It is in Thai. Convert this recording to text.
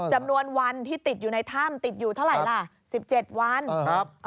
จำนวนวันที่ติดอยู่ในถ้ำติดอยู่เท่าไหร่ล่ะ๑๗วัน